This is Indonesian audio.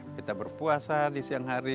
kita berpuasa di siang hari